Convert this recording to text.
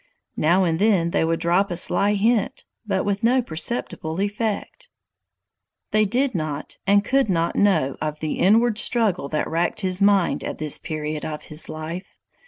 Now and then they would drop a sly hint, but with no perceptible effect. They did not and could not know of the inward struggle that racked his mind at this period of his life.